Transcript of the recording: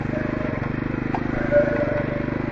چي په ښار او په مالت کي څه تیریږي ..